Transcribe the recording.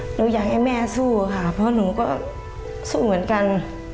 หนูอยากให้แม่สู้ค่ะเพราะหนูก็สู้เหมือนกัน